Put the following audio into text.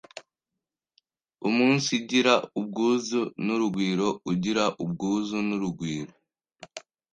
Umunsigira ubwuzu n’urugwiro u gira u bw u z u n’uru g wiro